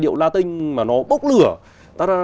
đàn bầu latin mà nó bốc lửa